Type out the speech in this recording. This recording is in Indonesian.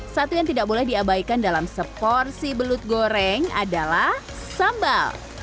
satu yang tidak boleh diabaikan dalam seporsi belut goreng adalah sambal